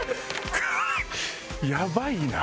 やばいな。